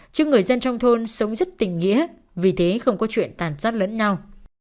chứ người dân trong thôn sống rất tình nghĩa vì thế không có chuyện tàn sát lẫn nhau